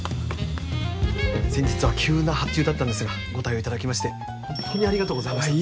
先日は急な発注だったんですがご対応いただきまして本当にありがとうございました。